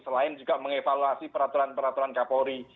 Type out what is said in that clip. selain juga mengevaluasi peraturan peraturan kapolri